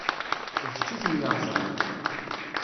D kečč i ten-yeṛẓan.